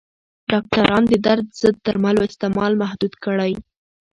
ډاکټران د درد ضد درملو استعمال محدود کړی.